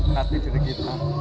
hati diri kita